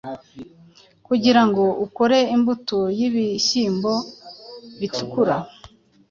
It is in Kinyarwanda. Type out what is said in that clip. kugirango ukore imbuto yibihyimbo bitukura